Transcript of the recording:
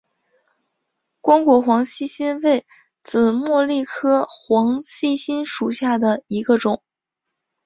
光果黄细心为紫茉莉科黄细心属下的一个种。